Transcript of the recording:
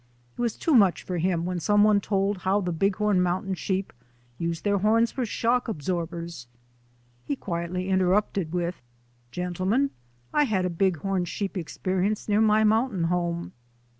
It was too much for him when someone told how the Bighorn mountain sheep use their horns for shock absorbers. He quietly interrupted with :" Gentle men, I had a Bighorn sheep experience near my mountain home.